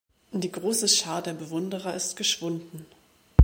Die große Schar der Bewunderer ist geschwunden.